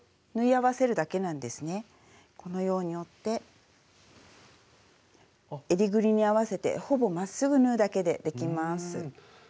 このように折ってえりぐりに合わせてほぼまっすぐ縫うだけでできます。